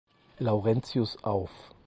Laurentius auf.